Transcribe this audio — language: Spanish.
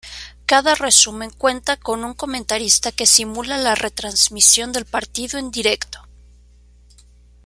Cada resumen cuenta con un comentarista que simula la retransmisión del partido en directo.